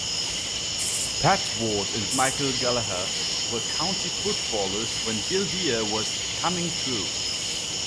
Pat Ward and Michael Gallagher were county footballers when Gildea was "coming through".